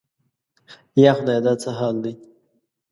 یا خدایه دا څه حال دی؟